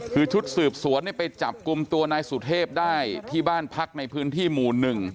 คือชุดสืบสวนไปจับกลุ่มตัวนายสุเทพได้ที่บ้านพักในพื้นที่หมู่๑